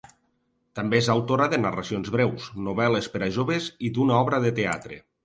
També és autora de narracions breus, novel·les per a joves i d'una obra de teatre.